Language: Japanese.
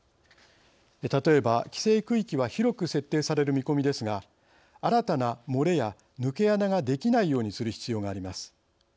例えば規制区域は広く設定される見込みですが新たな漏れや抜け穴ができないようにする必要があります。